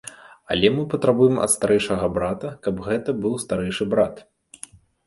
Але мы патрабуем ад старэйшага брата, каб гэта быў старэйшы брат.